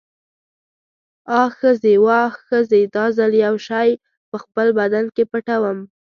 آ ښځې، واه ښځې، دا ځل یو شی په خپل بدن کې پټوم.